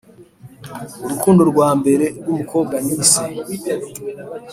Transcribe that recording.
“urukundo rwa mbere rw'umukobwa ni se.”